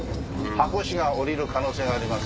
ハコ師が降りる可能性があります。